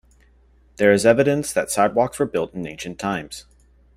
There is evidence that sidewalks were built in ancient times.